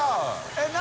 Αえっ何？